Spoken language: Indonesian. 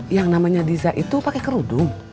yang namanya disa itu pakai kerudung